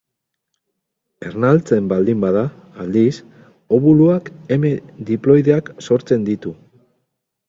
Ernaltzen baldin bada, aldiz, obuluak eme diploideak sortzen ditu.